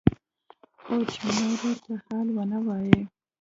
خو چې نورو ته حال ونه وايي.